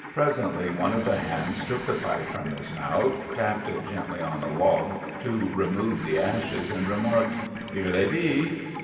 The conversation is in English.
"Presently one of the hands took the pipe from his mouth, tapped it gently on a log to remove the ashes, and remarked, 'Here they be!